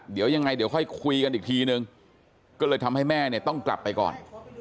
เดี๋ยวยังไงเดี๋ยวค่อยคุยกันอีกทีนึงก็เลยทำให้แม่เนี่ยต้องกลับไปก่อน